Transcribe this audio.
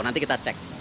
nanti kita cek